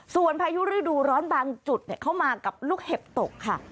ส่วนพายุฤดูร้อนบางจุดเข้ามากับลูกเห็บตกค่ะ